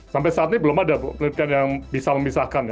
sampai saat ini belum ada penelitian yang bisa memisahkan ya